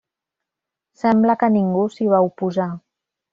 Sembla que ningú s'hi va oposar.